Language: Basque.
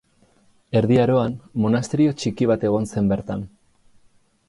Erdi Aroan monasterio txiki bat egon zen bertan.